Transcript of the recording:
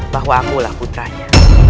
bahwa aku lah putranya